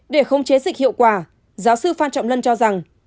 để không chế dịch hiệu quả giáo sư phan trọng lân cho rằng